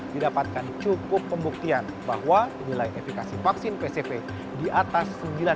didapatkan cukup pembuktian bahwa nilai efek vaksin pcv di atas sembilan puluh